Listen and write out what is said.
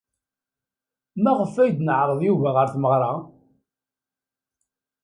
Maɣef ay d-neɛreḍ Yuba ɣer tmeɣra?